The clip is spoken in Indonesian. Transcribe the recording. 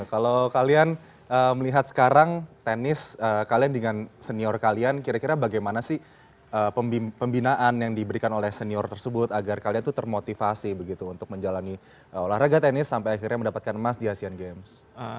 kalau kalian melihat sekarang tenis kalian dengan senior kalian kira kira bagaimana sih pembinaan yang diberikan oleh senior tersebut agar kalian itu termotivasi begitu untuk menjalani olahraga tenis sampai akhirnya mendapatkan emas di asean games